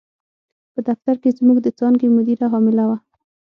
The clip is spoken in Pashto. په دفتر کې زموږ د څانګې مدیره حامله وه.